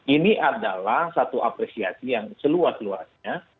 ini adalah satu apresiasi yang seluas luasnya